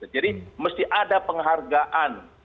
jadi mesti ada penghargaan